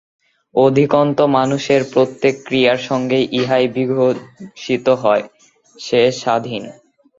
অধিকন্তু মানুষের প্রত্যেক ক্রিয়ার সঙ্গে ইহাই বিঘোষিত হয় যে, সে স্বাধীন।